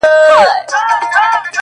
• نور وګړي به بېخوبه له غپا وي ,